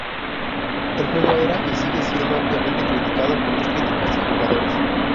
El juego era y sigue siendo ampliamente criticado por los críticos y jugadores.